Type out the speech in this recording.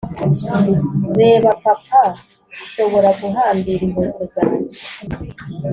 "reba, papa, nshobora guhambira inkweto zanjye!"